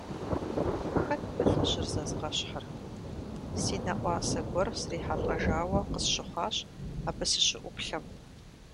Хэт мы лӀыжьыр зэзгъэщхьыр – си нэӀуасэ гуэр срихьэлӀэжауэ къысщыхъуащ, абы сыщыӀуплъэм.